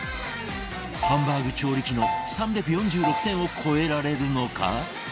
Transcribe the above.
ハンバーグ調理器の３４６点を超えられるのか？